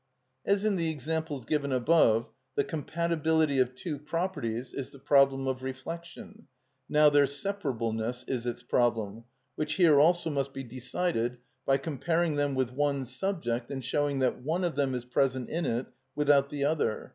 As in the examples given above the compatibility of two properties is the problem of reflection, now their separableness is its problem, which here also must be decided by comparing them with one subject and showing that one of them is present in it without the other.